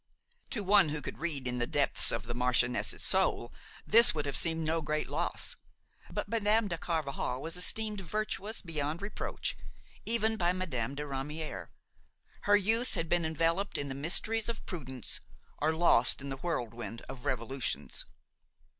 To one who could read in the depths of the marchioness's soul, this would have seemed no great loss; but Madame de Carvajal was esteemed virtuous beyond reproach, even by Madame de Ramière. Her youth had been enveloped in the mysteries of prudence, or lost in the whirlwind of revolutions.